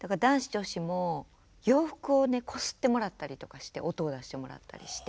女子！」も洋服をねこすってもらったりとかして音を出してもらったりして。